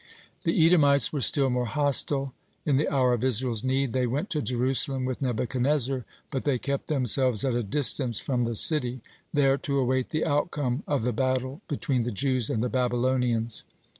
The Edomites were still more hostile (51) in the hour of Israel's need. They went to Jerusalem with Nebuchadnezzar, but they kept themselves at a distance from the city, there to await the outcome of the battle between the Jews and the Babylonians.